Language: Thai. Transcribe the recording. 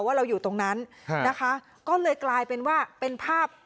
ว่าเราอยู่ตรงนั้นนะคะก็เลยกลายเป็นว่าเป็นภาพ